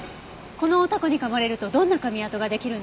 このタコに噛まれるとどんな噛み跡が出来るんですか？